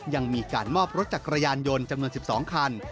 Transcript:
ยังมีการมอบรถจักรยานยนต์จำนวน๑๒คัน